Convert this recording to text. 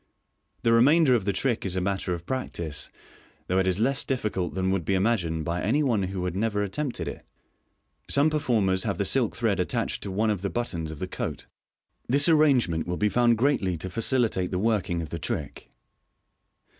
The remainder of the trick is a matter of practice, though it is less difficult than would be imagined by any one who had never attempted it. Some performers have the silk thread attached to one of the but tons of the coat. This arrangement will be found greatly to facilitate the working of the trick.